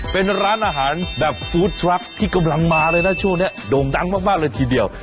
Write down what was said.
เป็นร้านอาหารแบบฟู้ดทรัคที่กำลังมาเลยนะช่วงนี้โด่งดังมากเลยทีเดียว